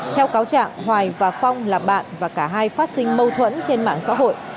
theo cáo trạng hoài và phong là bạn và cả hai phát sinh mâu thuẫn trên mạng xã hội